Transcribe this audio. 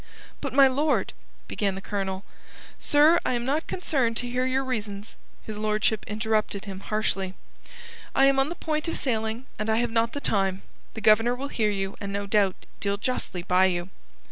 "But, my lord..." began the Colonel. "Sir, I am not concerned to hear your reasons," his lordship interrupted him harshly. "I am on the point of sailing and I have not the time. The Governor will hear you, and no doubt deal justly by you."